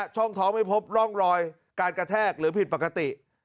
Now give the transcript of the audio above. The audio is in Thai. ช่องท้องไม่พบร่องรอยการกระแทกหรือผิดปกติ